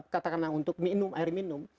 katakanlah untuk minum air minum